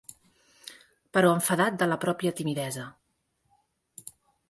Però enfadat de la pròpia timidesa